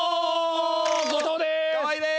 後藤です。